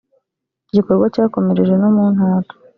Iki gikorwa cyakomereje no mu Ntara